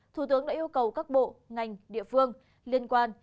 thủ tướng đã yêu cầu các bộ ngành địa phương liên quan